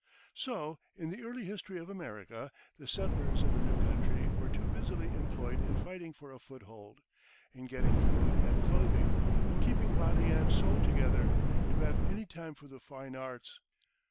So, in the early history of America, the settlers in the new country were too busily employed in fighting for a foothold, in getting food and clothing, in keeping body and soul together, to have any time for the fine arts.